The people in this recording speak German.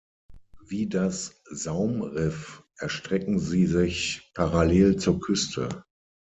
Wie das Saumriff erstrecken sie sich parallel zur Küste.